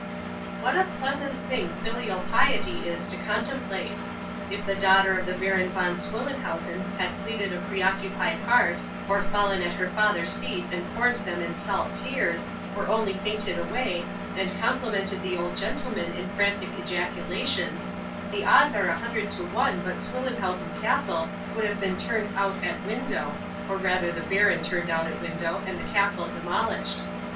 'What a pleasant thing filial piety is to contemplate! If the daughter of the Baron Von Swillenhausen had pleaded a preoccupied heart, or fallen at her father's feet and corned them in salt tears, or only fainted away, and complimented the old gentleman in frantic ejaculations, the odds are a hundred to one but Swillenhausen Castle would have been turned out at window, or rather the baron turned out at window, and the castle demolished.